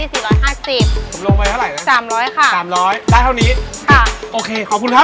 สูงมาสัดเติมหอมที่๔๕๐บาท